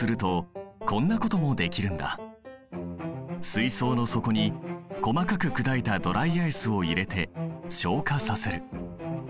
水槽の底に細かく砕いたドライアイスを入れて昇華させる。